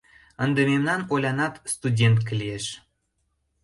— Ынде мемнан Олянат студентке лиеш!